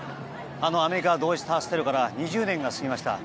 あのアメリカ同時多発テロから２０年が過ぎました。